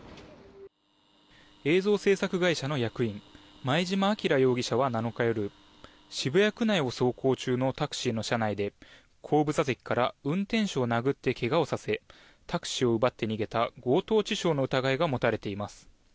映像制作会社の役員前嶋輝容疑者は７日夜渋谷区内を走行中のタクシーの車内で後部座席から運転手を殴って怪我をさせタクシーを奪って逃げた強盗致傷の疑いが持たれています。